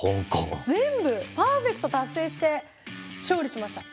全部パーフェクト達成して勝利しました。